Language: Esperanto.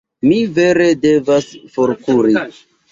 Mi vere devas forkuri.